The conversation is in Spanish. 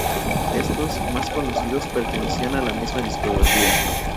Estos, más conocidos, pertenecían a la misma discográfica.